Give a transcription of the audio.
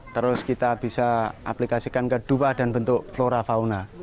terus kita bisa aplikasikan kedua dan bentuk flora fauna